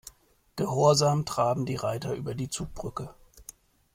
Gehorsam traben die Reiter über die Zugbrücke.